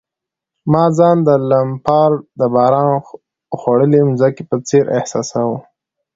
ما ځان د لمپارډ د باران خوړلي مځکې په څېر احساساوه.